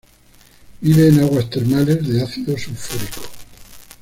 Vive en aguas termales de ácido sulfúrico.